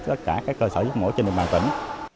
tất cả các cơ sở giết mổ trên địa bàn tỉnh